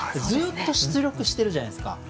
ずっと出力してるじゃないですか。